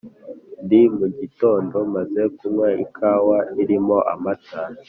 ndi mu gitondo maze kunywa ikawa irimo amata.